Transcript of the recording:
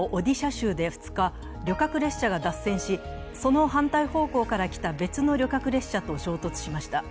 州で２日旅客列車が脱線し、その反対方向から来た別の旅客列車と衝突しました。